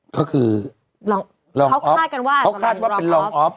เขาคือลองลองออฟเขาคาดกันว่าเขาคาดว่าเป็นลองออฟ